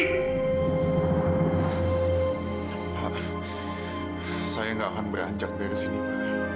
pak saya gak akan beranjak dia ke sini pak